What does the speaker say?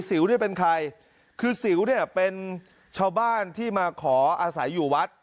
สิวเนี่ยเป็นใครคือสิวเนี่ยเป็นชาวบ้านที่มาขออาศัยอยู่วัด